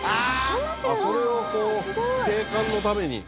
それをこう景観のために。